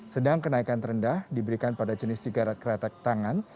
sedang kenaikan terendah diberikan pada jenis tigarat keretak tangan